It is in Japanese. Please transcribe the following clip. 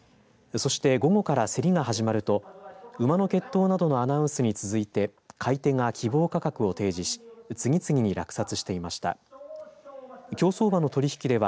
そして、午後からせりが始まると馬の血統などのアナウンスに続いて買い手が希望価格を提示し次々に落札していました。